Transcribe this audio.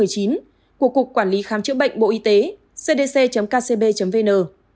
của cục quản lý khám chữa bệnh bộ y tế cdc kcb vn